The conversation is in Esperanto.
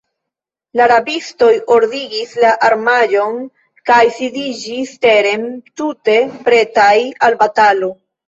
La rabistoj ordigis la armaĵon kaj sidiĝis teren, tute pretaj al batalo.